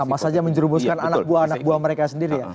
apa saja menjerumuskan anak buah anak buah mereka sendiri ya